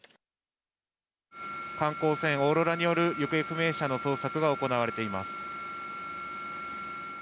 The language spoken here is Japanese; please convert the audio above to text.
観光船オーロラによる行方不明者の捜索が行われています。